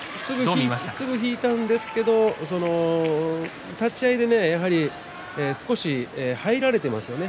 すぐ引いたんですけど立ち合いで少し入られていますよね